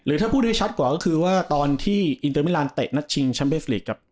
หรือถ้าพูดให้ชัดกว่าก็คือว่าตอนที่นัชชิงชัมเปสลีกกับ